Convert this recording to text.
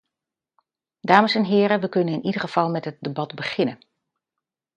Dames en heren, we kunnen in ieder geval met het debat beginnen.